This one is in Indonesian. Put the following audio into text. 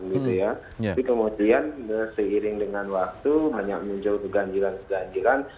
tapi kemudian seiring dengan waktu hanya muncul ganjilan ganjilan